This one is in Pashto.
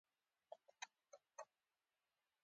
انسټاګرام د نوښتګرو لپاره غوره اپلیکیشن دی.